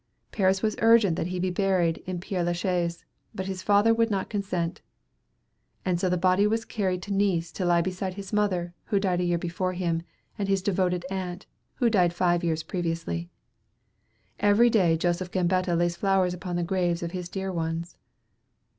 Paris was urgent that he be buried in Père la Chaise, but his father would not consent; so the body was carried to Nice to lie beside his mother, who died a year before him, and his devoted aunt, who died five years previously. Every day Joseph Gambetta lays flowers upon the graves of his dear ones.